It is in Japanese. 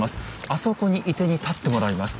あそこに射手に立ってもらいます。